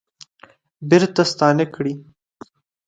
بیرته ستانه کړي